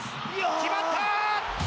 決まった！